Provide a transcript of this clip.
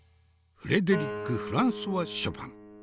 フレデリック・フランソワ・ショパン。